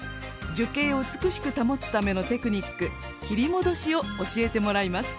樹形を美しく保つためのテクニック「切り戻し」を教えてもらいます。